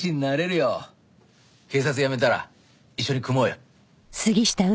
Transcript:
警察辞めたら一緒に組もうよ。